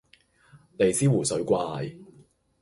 尼斯湖水怪